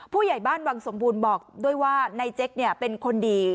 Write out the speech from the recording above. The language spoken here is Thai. ผู้ใหญ่บ้านวังสมบูรณ์บอกด้วยว่านายเจ๊กเป็นคนดี